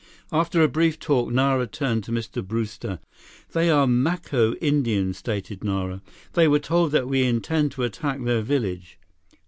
After a brief talk, Nara turned to Mr. Brewster. "They are Maco Indians," stated Nara. "They were told that we intend to attack their village."